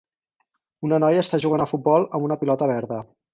Una noia està jugant a futbol amb una pilota verda.